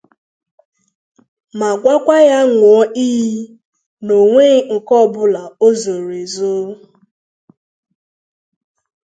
ma gwakwa ya ñụọ iyi na o weghị nke ọbụla o zoro ezo